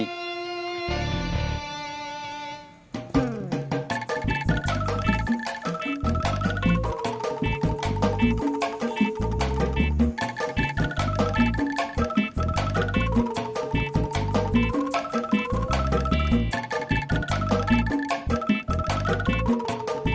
bagaimana cara membuat petugas tersebut berjaya